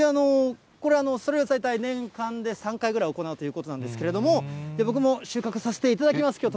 これ、それが大体年間で３回ぐらい行うということなんですけれども、僕も収穫させていただきます。